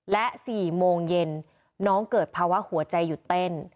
และ๔โมงเย็นน้องเกิดภาวะหัวใจหยุดเต้น